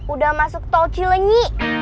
udah masuk tol cilengi